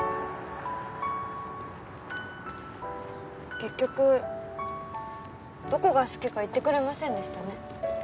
結局どこが好きか言ってくれませんでしたね